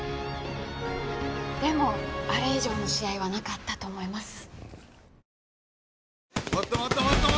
でもあれ以上の試合はなかったと思います。